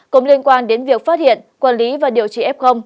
cũng liên quan đến việc phát hiện quản lý và điều trị f